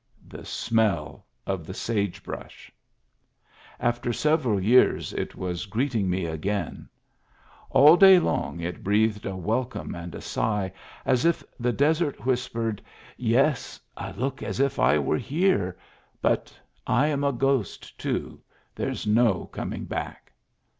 The smell of the sage brush. After several years it was greeting me again. All day long it breathed a welcome and a sigh, as if the desert whispered : Yes, I look as if I were here ; Digitized by VjOOQIC PREFACE 9 but I am a ghost, too, there's no coming back.